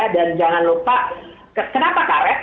dan jangan lupa kenapa karet